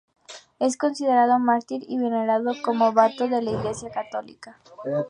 Es considerado mártir y venerado como beato en la Iglesia católica.